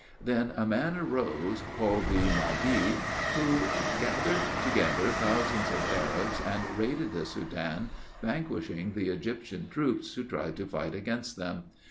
Then a man arose, called the Mahdi, who gathered together thousands of Arabs and raided the Soudan, vanquishing the Egyptian troops who tried to fight against them.